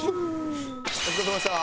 お疲れさまでした。